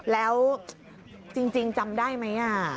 แล้วจริงจำได้ไหม